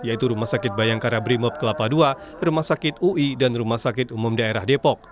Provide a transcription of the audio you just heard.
yaitu rumah sakit bayangkara brimob kelapa ii rumah sakit ui dan rumah sakit umum daerah depok